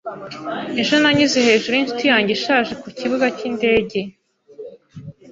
Ejo nanyuze hejuru yinshuti yanjye ishaje kukibuga cyindege.